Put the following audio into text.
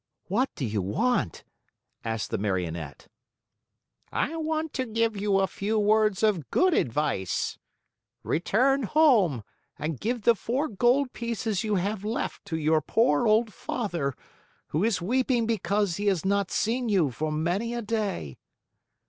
"What do you want?" asked the Marionette. "I want to give you a few words of good advice. Return home and give the four gold pieces you have left to your poor old father who is weeping because he has not seen you for many a day."